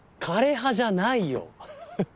枯れ葉じゃないよ！